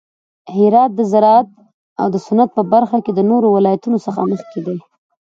هرات د زراعت او صنعت په برخه کې د نورو ولایتونو څخه مخکې دی.